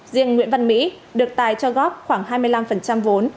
riêng nguyễn văn mỹ được tài cho góp khoảng hai mươi năm vốn